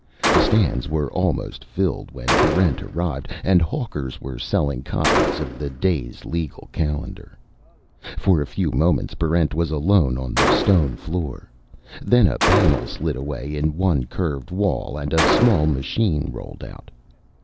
The stands were almost filled when Barrent arrived, and hawkers were selling copies of the day's legal calendar. For a few moments Barrent was alone on the stone floor. Then a panel slid away in one curved wall, and a small machine rolled out.